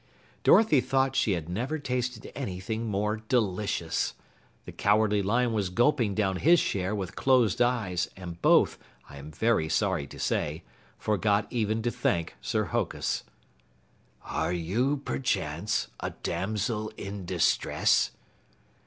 Dorothy thought she had never tasted anything more delicious. The Cowardly Lion was gulping down his share with closed eyes, and both, I am very sorry to say, forgot even to thank Sir Hokus. "Are you perchance a damsel in distress?"